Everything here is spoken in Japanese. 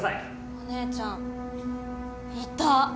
お姉ちゃんいた！